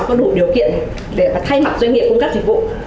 có đủ điều kiện để thay mặt doanh nghiệp cung cấp dịch vụ